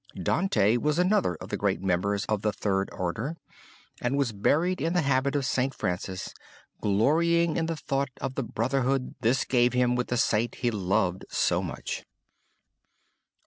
Dante was another of the great members of the Third Order and was buried in the habit of St. Francis, glorying in the thought of the brotherhood this gave him with the saint he loved so much.